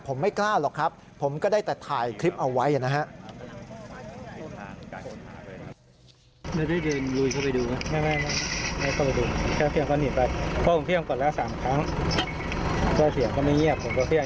ผมไม่กล้าหรอกครับผมก็ได้แต่ถ่ายคลิปเอาไว้นะครับ